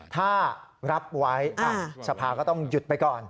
ถ้ารับไว้สภาก็ต้องหยุดไปก่อน